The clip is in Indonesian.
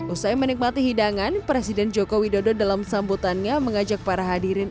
usai menikmati hidangan presiden joko widodo dalam sambutannya mengajak para hadirin